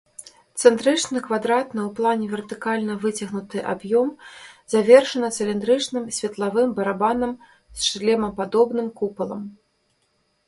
Цэнтрычны квадратны ў плане вертыкальна выцягнуты аб'ём завершаны цыліндрычным светлавым барабанам з шлемападобным купалам.